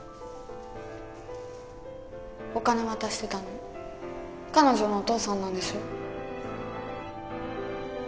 お金渡してたの彼女のお父さんなんでしょ？